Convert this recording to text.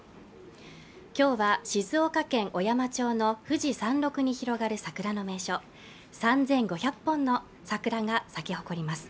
今日は静岡県小山町の富士山麓に広がる桜の名所３５００本の桜が咲き誇ります